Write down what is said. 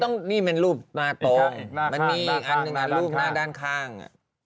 นี่มันรูปมาตรงมันมีอีกอันหนึ่งรูปหน้าด้านข้าง